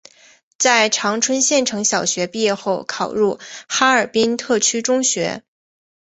在长春县城小学毕业后考入哈尔滨特区中学。